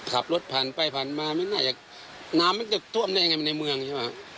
ขับรถพันไปพันมาน้ำมันจะท่วมได้อย่างไรมันในเมืองใช่ป่ะ